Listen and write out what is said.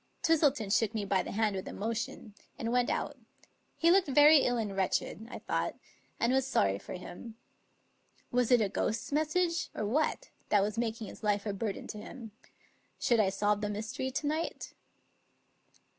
Twistleton shook me by the hand with emotion, and went out; he looked very ill and wretched, I thought, and was sorry for him. Was it a ghost's message or what, . that was making his life a burden to him? Should I solve the mystery to night?